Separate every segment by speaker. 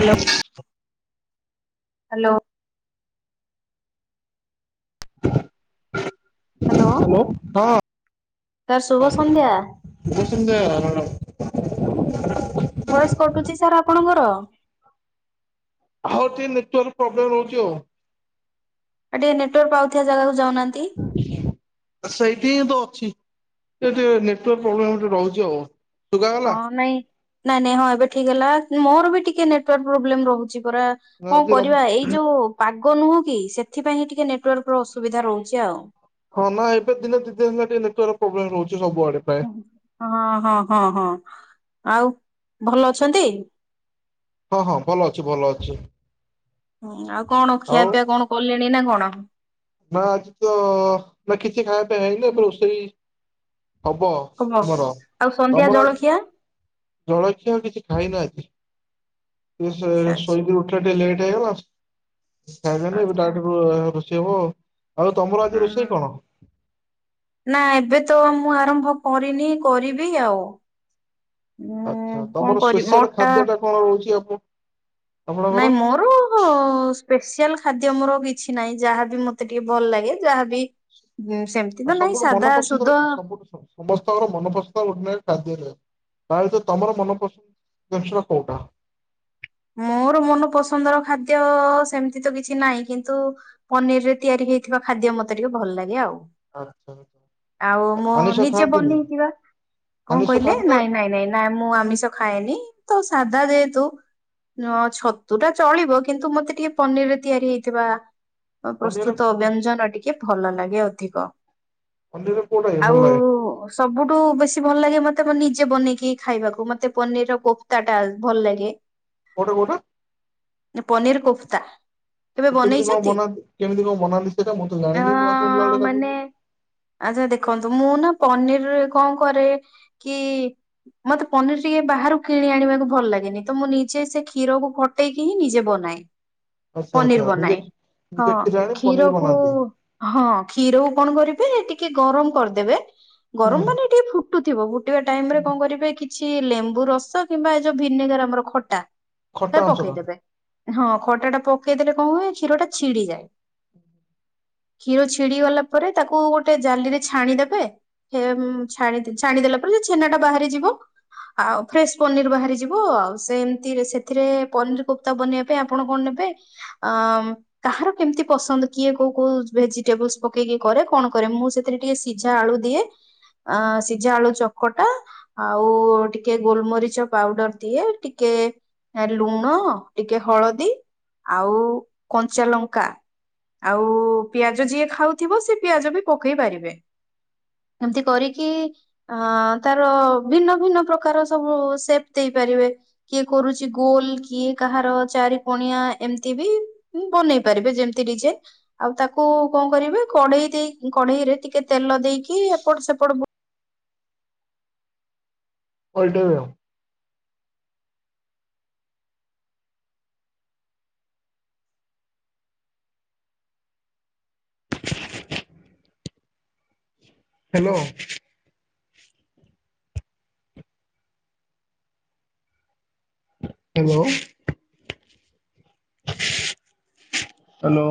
Speaker 1: Hello hello.
Speaker 2: Hello
Speaker 1: sir
Speaker 2: ହଁ
Speaker 1: ଶୁଭ ସନ୍ଧ୍ୟା
Speaker 2: କ [unintelligible] [inaudible]
Speaker 1: ଭଏସ କଟୁଛି ସାର୍ ଆପଣଙ୍କର।
Speaker 2: ହଉ ଟିଏ ନେଟୱର୍କ ପ୍ରୋବ୍ଲେମ ରହୁଛି ଆଉ।
Speaker 1: ଏଠି ଏଇ ନେଟୱାର୍କ ପାଉ ସେ ଜାଗାକୁ ଯାଉନାହାନ୍ତି।
Speaker 2: ସେଇଠି ହିଁ ତ ଅଛି। ଏଇଟି ଟିକେ ନେଟୱାର୍କ ପ୍ରୋବ୍ଲେମ ଟିଏ ରହୁଛି ଆଉ। ଶୁଗାଗଲା
Speaker 1: ହଁ ନାଇଁ ନାଇଁ ନାଇଁ ହଁ ଏବେ ଠିକ ହେଲା ମୋର ବି ଟିକେ କେ ନେଟୱାର୍କ ପ୍ରୋବ୍ଲେମ ରହୁଛି। ପୁରା
Speaker 2: ନା
Speaker 1: କଣ
Speaker 2: ଆଜି ରବି
Speaker 1: କରିବା ଏଇ ଯୋଉ ପା ପାଗ ନୁହଁ କି ସେଥିପାଇଁଁ ଟିକେ ନେଟୱାର୍କ ର ଅସୁବିଧା ରହୁଛି ଆଉ
Speaker 2: ହଁ ନା ଏବେ ଦିନ ଦି ଦିନ ଟିକେ ନେଟାର୍ ପ୍ରୋବ୍ଲେମ ରହୁଛି। ସବୁଆଡେ ପ୍ରାୟ
Speaker 1: ହଁ ହଁ ହଁ ହଁ। ଆଉ ଭଲ ଅଛନ୍ତି।
Speaker 2: ହଁ ହଁ ଭଲ ଅଛି ଭଲ ଅଛି।
Speaker 1: ହୁଁ ଆଉ କଣ ଖିଆ
Speaker 2: ଆଉ
Speaker 1: ପିଆ କଣ କଲେଣି ନା କଣ? [inaudible]
Speaker 2: ନା ଆଜି ତ ନା କିଛି ଖାଇବା ପାଇବା ହେଇନି ଏବେ ରୋଷେଇ ହବ ତମର
Speaker 1: ଆଉ ସନ୍ଧ୍ୟା
Speaker 2: ତମର
Speaker 1: ଜଳଖିଆ
Speaker 2: ଜଳଖିଆ କିଛି ଖାଇନାହାନ୍ତି। ଟିକେ ଶୋ
Speaker 1: ଆଛା
Speaker 2: ଶୋଇକି ଉଠି ବା ଟିକେ ଲେଟ ହେଇଗଲା। ଖାଇବେନା ଏବେ
Speaker 1: ଆଛା
Speaker 2: ଡାଇରେକ୍ଟ ରୋ ଯିବ ଆଉ [unintelligible] ତମର ଆଜି
Speaker 1: ହଁ
Speaker 2: ରୋଷେଇ କଣ?
Speaker 1: ନା ଏବେ ତ ମୁଁ ଆରମ୍ଭ କରିନି କରିବି ଆଉ ଉଁ
Speaker 2: ଆଚ୍ଛା
Speaker 1: କଣ
Speaker 2: ତମର
Speaker 1: କରିବି
Speaker 2: ସ୍ପେଶିଆଲ
Speaker 1: ମୋରଟା
Speaker 2: ଖାଦ୍ୟ ଟା କଣ ରହୁଛି ଆପ ଆପଣଙ୍କର?
Speaker 1: ନାଇଁ ମୋର ସ୍ପେସିଆଲ ଖାଦ୍ୟ ମୋର କି କିଛି ନାହିଁ ଯାହାବି ମତେ ଟିକେ ଭଲ ଲାଗେ ଯାହାବି ହୁଁ ସେମିତି ତ ନାଇଁ
Speaker 2: ସବୁଠୁ
Speaker 1: ସାଧା ସୁଧ
Speaker 2: ମନପସନ୍ଦର ସବୁଠୁ ସମସ୍ତଙ୍କର ମନପସନ୍ଦର ଗୋଟିଏ ନେଖା ଖାଦ୍ୟ ଥାଏ। ତାହେଲେ ତମର ମନପସନ୍ଦ ଦର୍ଶନ କୋଉଟା?
Speaker 1: ମୋର ମନ ପସନ୍ଦର ଖାଦ୍ୟ ସେମିତି ତ କିଛି ନାହିଁ କିନ୍ତୁ ପନିରରେ ତିଆରି ହେଇଥିବା ଖାଦ୍ୟ ମତେ ଟିକେ ଭଲଲାଗେ ଆଉ।
Speaker 2: ଆଚ୍ଛା ଆଚ୍ଛା।
Speaker 1: ଆଉ ମୁଁ
Speaker 2: ଆମିଷ
Speaker 1: ନିଜେ
Speaker 2: ଖାଆନ୍ତିନି
Speaker 1: ବନେଇଥିବା କଣ
Speaker 2: ଆମିଷ
Speaker 1: କହିଲେ
Speaker 2: ଖାଆନ୍ତି ନା
Speaker 1: ନାଇଁ ନାଇଁ ନାଇଁ ନା ମୁଁ ଆମିଷ ଖାଏନି। ତ ସାଧା ଯେହେତୁ ନ ଛତୁ ଟା ଚଳିବ କିନ୍ତୁ ମତେ ଟିକେ ପନିରରେ ତିଆରି ହେଇଥିବା
Speaker 2: ପନିର
Speaker 1: ପ୍ରସ୍ତୁତ ବ୍ୟଞ୍ଜନ ଟିକେ! ! ଭଲ ଲାଗେ ଅଧିକ
Speaker 2: ପନିରରେ କୋଉଟା କି ଭଲ
Speaker 1: ଆଉ
Speaker 2: ଲାଗେ
Speaker 1: ସବୁ ବେଶୀ ଭଲଲାଗେ ମତେ ନିଜେ ବନେଇକି ଖାଇବାକୁ ମତେ ପନିର ର କୋପତା ଟା ଭଲ ଲାଗେ
Speaker 2: କୋଉଟା କୋଉଟା
Speaker 1: ପନୀର୍ କୋପତା
Speaker 2: କେମିତି କଣ ବନାନ୍ତି କେମିତି କଣ ବନାନ୍ତି ସେଇଟା ମୁଁତ
Speaker 1: ଅ
Speaker 2: ଜାଣିନି ମୁଁ ନୂଆ ସୁଣିଲା ଭଳି
Speaker 1: ମାନେ
Speaker 2: ଲାଗୁଛି
Speaker 1: ପନିରରେ କଣ କରେ କି, ମତେ ପନିର ଟିକେ ବାହାରୁ କିଣି ଆଣିବାକୁ ଭଲ ଲାଗେନି ତ ମୁଁ ନି- ଯେ ସେ କ୍ଷୀରକୁ କଟେଇକି ହିଁ ନିଜେ ବନାଏ।
Speaker 2: ଆଚ୍ଛା ଆଚ୍ଛା
Speaker 1: ପନିର
Speaker 2: ନିଜେ
Speaker 1: ବନାଏ ହଁ
Speaker 2: ନିଜେ ଆଣି
Speaker 1: କ୍ଷୀର
Speaker 2: ପନିର
Speaker 1: କୁ
Speaker 2: ବନାନ୍ତି
Speaker 1: ହଁ କ୍ଷୀରକୁ କଣ କରେ - ହେଁ ଟିକେ ଗରମ କରିଦେବେ!
Speaker 2: ହୁଁ।
Speaker 1: ଗରମ ମାନେ
Speaker 2: ହୁଁ।
Speaker 1: ଟିକେ ଫୁ- ଫୁଟୁଥିବ ଗୁ - ଏବେ ଟାଇମ ରେ କଣ କଣିବେ କି? କିଛି ଲେମ୍ବୁ ରସ କିମ୍ବା ଏ ଯୋଉ ଭିନେଗର ଆମର ଖଟ୍ ଟା
Speaker 2: ଖଟା ଅଂଶ ଟା
Speaker 1: ହଁ ଖଟା ଟା ପକେଇଦେଲେ କଣ ହୁଏ କ୍ଷୀର ଟା ଛିଡିଯାଏ, କ୍ଷୀର ଛିଡି ଗଲା ପରେ ତାକୁ ଗୋଟେ ଜାଲିରେ ଛାଣିଦେବେ ଛାଣିଦେଲା ପରେ ଛେନାଟା ବାହାରିଯିବ ଆଉ ଫ୍ରେଶ ପନିର ବାହାରିଯିବ ଆଉ ସେ। ସେଥିରେ ପନିର ପୁକ୍ତା ବନେଇବା ପାଇଁ ଆପଣ କଣ ନେବେ ଆଁ କାହାର କେମିତି ପସନ୍ଦ କିଏ କୋଉ କୋଉ ଭେଜିଟେବୁଲସ ପକେଇକି କରେ କଣ କରେ ମୁଁ ସେଥିରେ ଟିକେ ସିଝା ଆଳୁ ଦିଏ ସିଝା ଆଳୁ ଚକଟା ଆଉ ଟିକେ ଗୋଲମରିଚ ପାଉଡର ଦିଏ ଟିକେ। ଟିକେ ଲୁଣ ଟିକେ ହଳଦୀ ଆଉ କଞ୍ଚା ଲଙ୍କା ଆଉ ପିଆଜ ଯିଏ ଖାଉଥିବ ସେ ପିଆଜ ବି ପକେଇ ପାରିବେ ଏମିତି କରିକି ଆଁ ତାର ଭିନ୍ନ ଭିନ୍ନ ପ୍ରକାର ସବୁ ସେପ ଦେଇପାରିବେ। କିଏ କରୁଛି ଗୋଲ କିଏ କାହାର ଚାରି କଣିଆ ଏମିତି ବି ବନେଇ ପାରିବେ ଯେମିତି ଡିଜାଇନ ଆଉ ତାକୁ କଣ କରିବେ କଢେଇଦେଇକି କଢେଇରେ ଟିକେ ତେଲ ଦେଇକି ଏପଟ ସେପଟ କ-
Speaker 2: ଓଲଟେଇବେ hello. Hello hello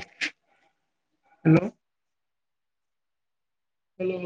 Speaker 2: hello hello.